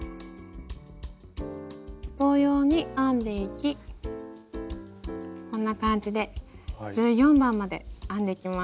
同様に編んでいきこんな感じで１４番まで編んでいきます。